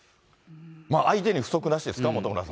相手に不足なしですか、本村さん。